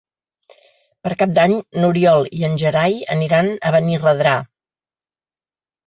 Per Cap d'Any n'Oriol i en Gerai aniran a Benirredrà.